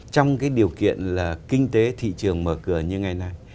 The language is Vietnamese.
trong cái điều kiện là kinh tế thị trường mở cửa như ngày nay